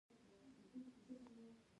په بدن شپږ سوه غدودي دي.